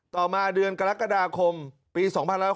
ต่อมาเดือนกรกฎาคมปี๒๕๖๐